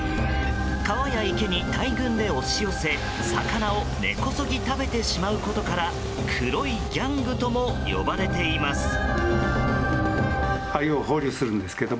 川や池に大群で押し寄せ、魚を根こそぎ食べてしまうことから黒いギャングとも呼ばれています。